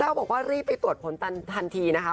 แล้วบอกว่ารีบไปตรวจผลตันทันทีนะคะ